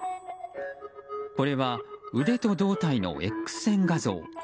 これは腕と胴体のＸ線画像。